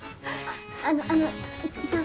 あのあの樹さん